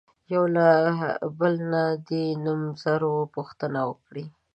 یو له بله نه دې د نومځرو پوښتنې وکړي.